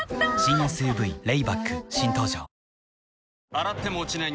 洗っても落ちない